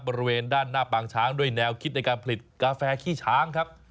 บริเวณด้านหน้าปางช้างด้วยแนวคิดในการผลิตกาแฟขี้ช้างครับ